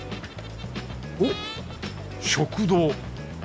おっ食堂！